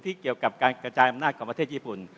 เกี่ยวกับการกระจายอำนาจของประเทศญี่ปุ่น